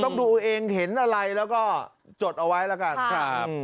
ต้องดูเองเห็นอะไรแล้วก็จดเอาไว้แล้วกันครับ